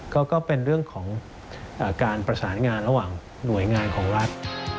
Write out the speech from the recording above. ก็เป็นเรื่องของการประสานงานระหว่างหน่วยงานของรัฐ